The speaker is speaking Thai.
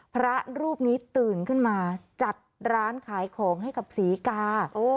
พระรูปนี้ตื่นขึ้นมาจัดร้านขายของให้กับศรีกา